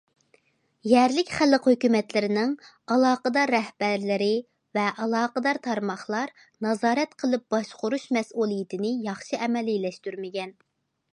يەرلىك خەلق ھۆكۈمەتلىرىنىڭ ئالاقىدار رەھبەرلىرى ۋە ئالاقىدار تارماقلار نازارەت قىلىپ باشقۇرۇش مەسئۇلىيىتىنى ياخشى ئەمەلىيلەشتۈرمىگەن.